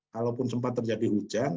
kalaupun sempat terjadi hujan